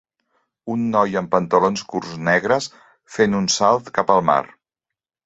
Un noi amb pantalons curts negres fent un salt cap al mar.